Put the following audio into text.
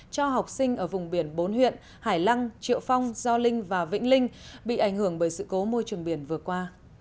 cho học sinh ở vùng biển bốn huyện hải lăng triệu phong gio linh và vĩnh linh bị ảnh hưởng bởi sự cố môi trường biển vừa qua